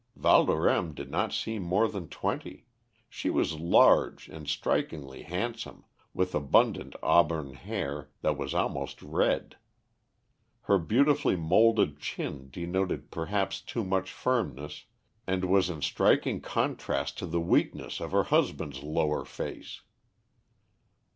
Valdorême did not seem more than twenty; she was large, and strikingly handsome, with abundant auburn hair that was almost red. Her beautifully moulded chin denoted perhaps too much firmness, and was in striking contrast to the weakness of her husband's lower face.